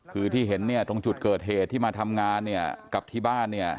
คือที่เห็นตรงจุดเกิดเหตุที่มาทำงานกลับที่บ้าน